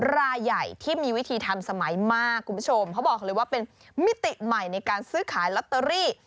รายใหญ่ที่มีวิธีทำสมัยมากคุณผู้ชมเขาบอกเลยว่าเป็นมิติใหม่ในการซื้อขายลอตเตอรี่